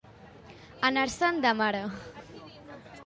Anar-se'n de mare.